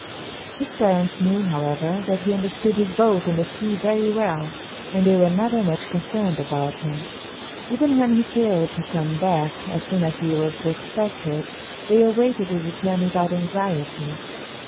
His parents knew, however, that he understood his boat and the sea very well, and they were never much concerned about him. Even when he failed to come back as soon as he was expected, they awaited his return without anxiety.